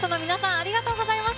ありがとうございます。